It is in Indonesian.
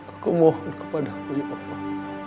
aku mohon kepada mu ya allah